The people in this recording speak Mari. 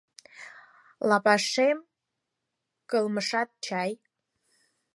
Лапашем кылмышат чай.